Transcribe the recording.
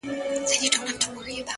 o د کابل تصوېر مي ورکی په تحفه کي ,